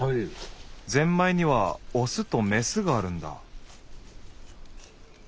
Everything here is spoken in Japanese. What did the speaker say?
ぜんまいにはオスとメスがあるんだ。